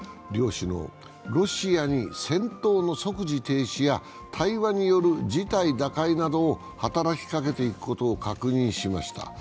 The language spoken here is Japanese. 両首脳、ロシアに戦闘の即時停止や対話による事態打開などを働きかけていくことを確認しました。